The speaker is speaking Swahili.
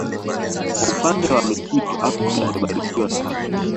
Kwa upande wa misitu Afrika imebarikiwa sana